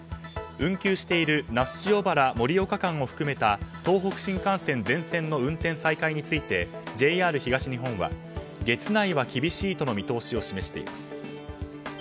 運休している那須塩原盛岡間を含めた東北新幹線全線の運転再開についてＪＲ東日本は月内は厳しいとの見通しを示しています。